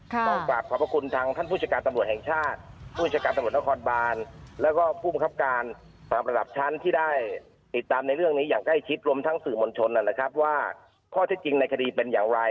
ต้องฝากขอบพระคุณทางท่านผู้จัดการตำรวจแห่งชาติผู้จัดการตำรวจนครบานแล้วก็ผู้บังคับการตามระดับชั้นที่ได้ติดตามในเรื่องนี้อย่างใกล้ชิดรวมทั้งสื่อมวลชนนั่นแหละครับว่าข้อเท็จจริงในคดีเป็นอย่างไร